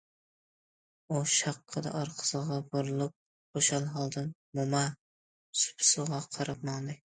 ئۇ شاققىدە ئارقىسىغا بۇرۇلۇپ، خۇشال ھالدا موما سۇپىسىغا قاراپ ماڭدى.